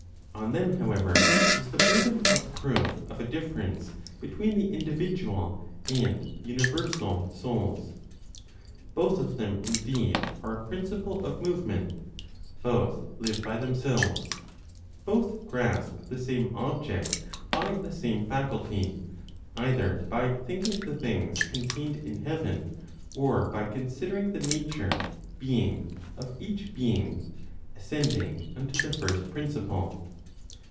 On them, however, is the burden of proof of a difference between the individual and universal souls. Both of them, indeed, are a principle of movement; both live by themselves; both grasp the same object by the same faculty, either by thinking the things contained in heaven, or by considering the nature ("being") of each being, ascending unto the first principle.